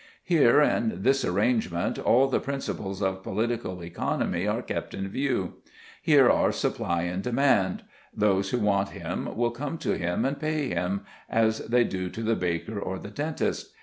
Here, in this arrangement, all the principles of political economy are kept in view. Here are supply and demand. Those who want him will come to him and pay him, as they do to the baker or the dentist.